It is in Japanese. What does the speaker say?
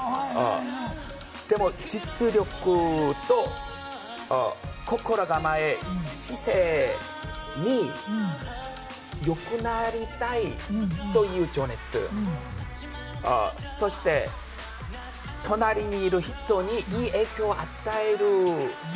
でも、実力、心構え、姿勢によくなりたいという情熱、そして、隣にいる人にいい影響を与える。